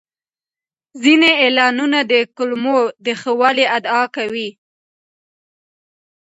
ځینې اعلانونه د کولمو د ښه والي ادعا کوي.